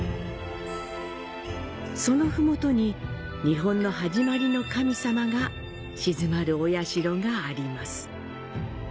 その麓に日本の「はじまりの神さま」が鎮まるお社があります。